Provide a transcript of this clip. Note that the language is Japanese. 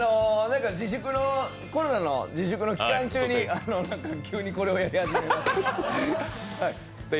コロナの自粛の期間中に急にこれをやり始めて。